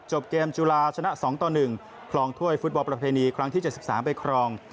เกมจุฬาชนะ๒ต่อ๑คลองถ้วยฟุตบอลประเพณีครั้งที่๗๓ไปครอง